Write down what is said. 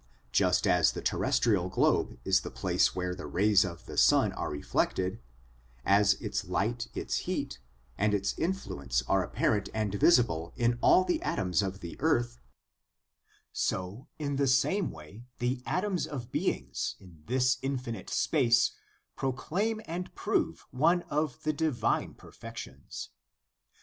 Just as the terrestrial globe is the place where the rays of the sun are reflected as its light its heat, and its influence are apparent and visible in all the atoms of the earth so, in the same way, the atoms of beings, in this infinite space, proclaim and prove one of the 228 SOME ANSWERED QUESTIONS divine perfections.